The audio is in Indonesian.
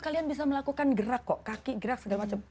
kalian bisa melakukan gerak kok kaki gerak segala macam